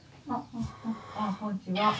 あこんにちは。